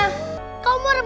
udungkan solu keliono